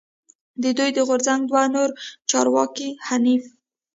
د دوی د غورځنګ دوه نور چارواکی حنیف